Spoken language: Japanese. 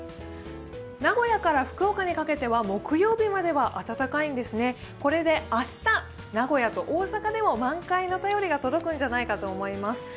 名古屋から福岡にかけては木曜日までは暖かいんですね、これで明日、名古屋と大阪でも満開の便りが届くのではないかと思います。